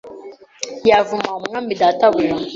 yavuma umwami databuja